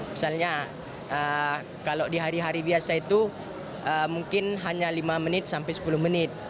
misalnya kalau di hari hari biasa itu mungkin hanya lima menit sampai sepuluh menit